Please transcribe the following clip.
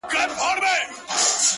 گوره وړې زيارت ته راسه زما واده دی گلي’